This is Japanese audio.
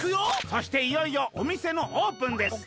そしていよいよおみせのオープンです」。